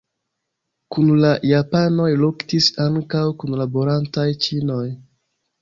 Kun la japanoj luktis ankaŭ kunlaborantaj ĉinoj.